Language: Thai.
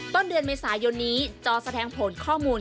ต้นเดือนเมษายนนี้จอแสดงผลข้อมูล